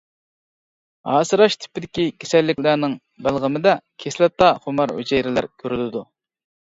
ھاسىراش تىپىدىكى كېسەللىكلەرنىڭ بەلغىمىدە كىسلاتا خۇمار ھۈجەيرىلەر كۆرۈلىدۇ.